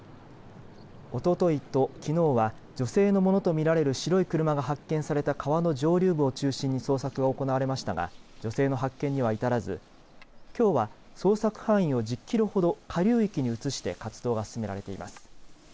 おとといと、きのうは女性のものと見られる白い車が発見された川の上流部を中心に捜索が行われましたが女性の発見には至らずきょうは捜索範囲を１０キロほど下流域に移して活動が進められています。